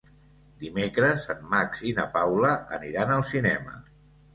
Dimecres en Max i na Paula aniran al cinema.